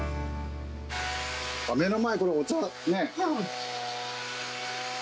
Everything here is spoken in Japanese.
あっ目の前これお茶ね。